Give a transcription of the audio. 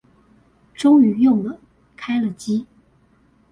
終於用了開了機